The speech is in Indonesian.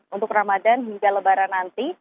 untuk ramadan hingga lebaran nanti